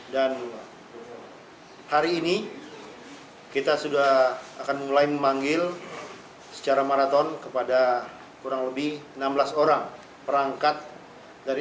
dan hari ini kita sudah akan mulai memanggil secara maraton kepada kurang lebih enam belas orang perangkat dari stip